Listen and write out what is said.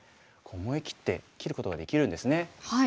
思い切って切ることができるんですね。